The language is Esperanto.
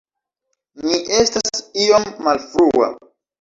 Mi estas iom malfrua